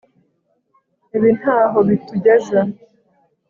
Ibi ntaho bitugeza